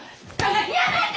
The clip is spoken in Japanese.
やめて！